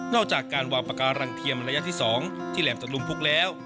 จากการวางปากการังเทียมระยะที่๒ที่แหลมตะลุมพุกแล้ว